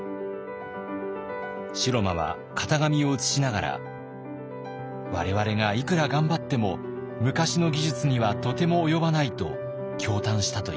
城間は型紙を写しながら「我々がいくら頑張っても昔の技術にはとても及ばない」と驚嘆したといいます。